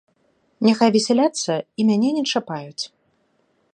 Няхай весяляцца і мяне не чапаюць.